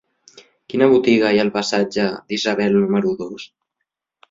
Quina botiga hi ha al passatge d'Isabel número dos?